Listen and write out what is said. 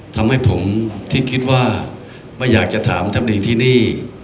ทำให้ผมที่คิดว่าไม่อยากจะถามท่านดีที่นี่